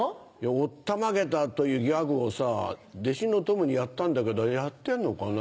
「おったまげた」というギャグをさ弟子のとむにやったんだけどやってんのかな？